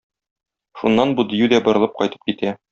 Шуннан бу дию дә борылып кайтып китә.